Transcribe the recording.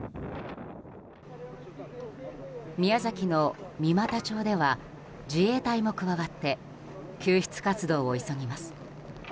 宮崎の三股町では自衛隊も加わって救出活動を急ぎます。